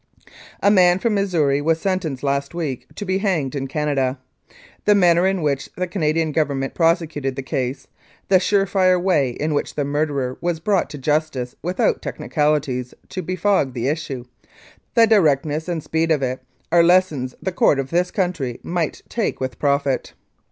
"A man from Missouri was sentenced last week to be hanged in Canada. "The manner in which the Canadian Government prosecuted the case, the sure fire way in which the murderer was brought to justice without technicalities to befog the issue, the directness and speed of it, are lessons the court of this country might take with profit.